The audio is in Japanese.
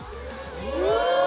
うわ！